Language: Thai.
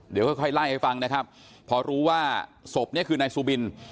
เดี๋ยวค่อยไล่ให้ฟังนะครับพอรู้ว่าศพนี้คือนายซูบิน